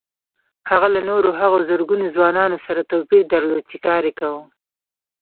هغه له نورو هغو زرګونه ځوانانو سره توپير درلود چې کار يې کاوه.